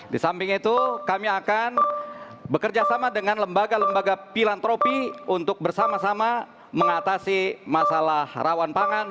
di samping itu kami akan bekerjasama dengan lembaga lembaga pilantropi untuk bersama sama mengatasi masalah rawan pangan